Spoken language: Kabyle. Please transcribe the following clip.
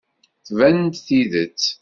Tban-d tidet.